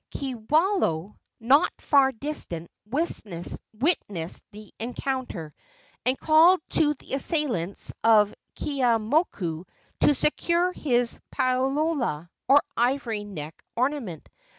Kiwalao, not far distant, witnessed the encounter, and called to the assailants of Keeaumoku to secure his palaoa, or ivory neck ornament.